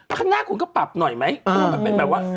ข้างหน้าคุณก็ปรับหน่อยไหมแบบว่า